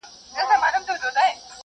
تاسو باید د پښتنو د دودونو درناوی وکړئ.